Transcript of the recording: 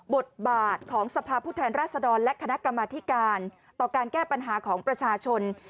บทบาทของสภาพผู้แทนราชดรและคณะกรรมธิการต่อการแก้ปัญหาของประชาชน